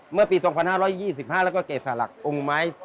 เมื่อปี๒๕๒๕แล้วก็เกษาหลักองค์ไม้